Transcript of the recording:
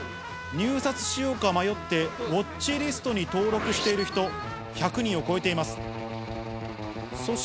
入札しようか迷って、ウォッチリストに登録している人、１００人を超えています。